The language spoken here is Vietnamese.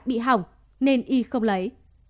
bị hỏng nên y không lấy